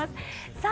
さあ